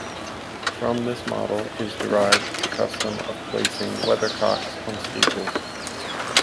From this model is derived the custom of placing weathercocks on steeples.